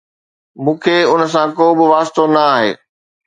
؟ مون کي ان سان ڪو به واسطو نه آهي